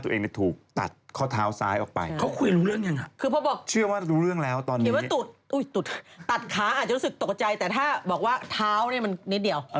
คุณปอล์ตัดเนื้อตะกรุ่งมาหน่อย